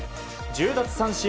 １０奪三振